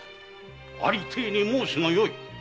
ありていに申すがよい。